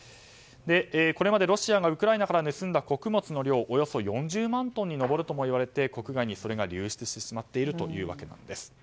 これまでロシアがウクライナから盗んだ穀物の量はおよそ４０万トンに上るともいわれて国外にそれが流出してしまっているというわけなんです。